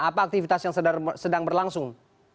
apa aktivitas yang sedang berlangsung